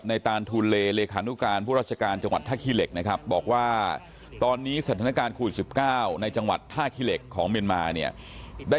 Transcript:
เหมือนกับพี่จะเป็นคุณแม่แม่จะอยู่ที่นู่นค่ะ